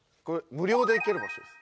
無料で行けるんです。